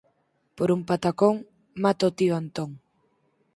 Por un patacón, mata o tío Antón